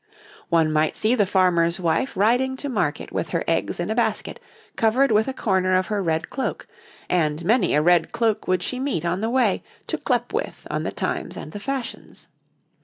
}] One might see the farmer's wife riding to market with her eggs in a basket covered with a corner of her red cloak, and many a red cloak would she meet on the way to clep with on the times and the fashions.